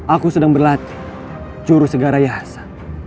aku sedang berlatih jurus segarayasa